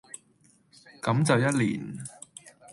咁就一年